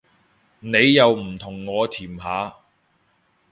你又唔同我甜下